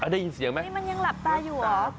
ได้ยินเสียงไหมนี่มันยังหลับตาอยู่เหรอ